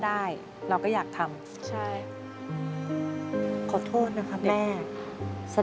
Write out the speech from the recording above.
มันติดอ่ะเล่นก็ประมาณ๔ปี๕ปีอะไรประมาณนั้น